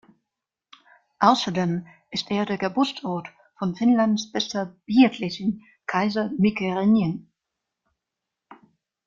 Außerdem ist er der Geburtsort von Finnlands bester Biathletin Kaisa Mäkäräinen.